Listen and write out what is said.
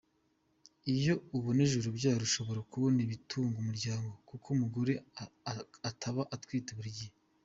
Iyo uboneje urubyaro ushobora kubona ibitunga umuryango kuko umugore ataba atwite buri gihe.